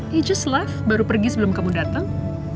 dia baru pergi sebelum kamu datang